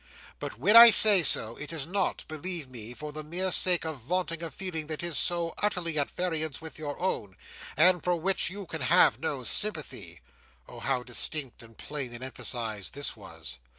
But when I say so, it is not, believe me, for the mere sake of vaunting a feeling that is so utterly at variance with your own, and for which you can have no sympathy"—oh how distinct and plain and emphasized this was!